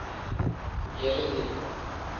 Yiriti.